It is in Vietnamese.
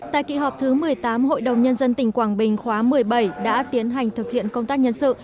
tại kỳ họp thứ một mươi tám hội đồng nhân dân tỉnh quảng bình khóa một mươi bảy đã tiến hành thực hiện công tác nhân sự